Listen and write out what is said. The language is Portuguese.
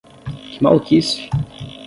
Que maluquice!